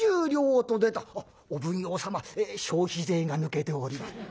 「あっお奉行様消費税が抜けております」。